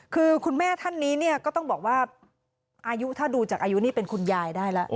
คือคุณแม่ท่านนี้เนี่ยก็ต้องบอกว่าอายุถ้าดูจากอายุนี่เป็นคุณยายได้แล้ว